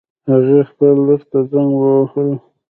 هغې خپل لور ته زنګ ووهله